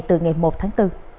từ ngày một tháng bốn